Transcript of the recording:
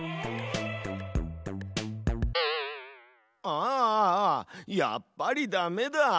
あああやっぱりダメだ。